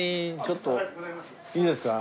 いいですか？